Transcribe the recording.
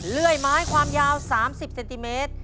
เลื่อยไม้ความยาว๓๐เซนติเมตร